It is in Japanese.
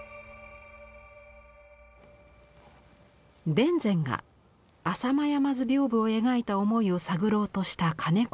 田善が「浅間山図屏風」を描いた思いを探ろうとした金子信久さん。